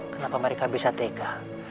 kenapa mereka bisa teka